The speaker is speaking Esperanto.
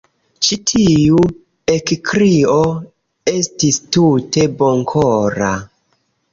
Ĉi tiu ekkrio estis tute bonkora.